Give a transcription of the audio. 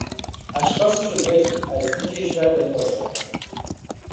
اشخاص شجاعی که از این کشور دفاع کردند